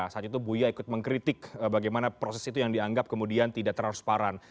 saat itu buya ikut mengkritik bagaimana proses itu yang dianggap kemudian tidak transparan